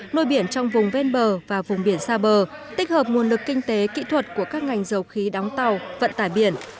nuôi biển trong vùng ven bờ và vùng biển xa bờ tích hợp nguồn lực kinh tế kỹ thuật của các ngành dầu khí đóng tàu vận tải biển